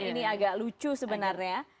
ini agak lucu sebenarnya